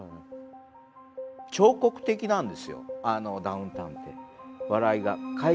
彫刻的なんですよダウンタウンって笑いが。